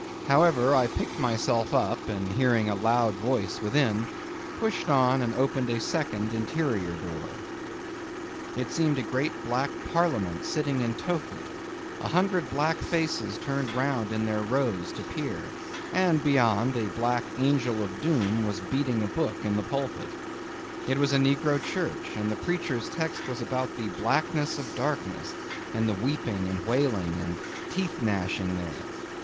However, I picked myself up and hearing a loud voice within, pushed on and opened a second, interior door. It seemed the great Black Parliament sitting in Tophet. A hundred black faces turned round in their rows to peer; and beyond, a black Angel of Doom was beating a book in a pulpit. It was a negro church; and the preacher's text was about the blackness of darkness, and the weeping and wailing and teeth gnashing there.